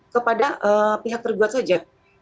kepada pihak tergugat saja